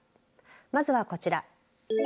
まずはこちら。